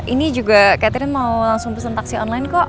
ini juga catherine mau langsung pesan taksi online kok